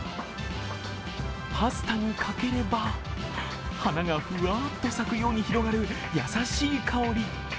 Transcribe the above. パスタにかければ、花がふわっと咲くように広がる優しい香り。